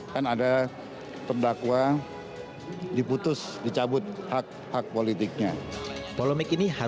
dan ada pendakwa diputus dicabut hak hak politiknya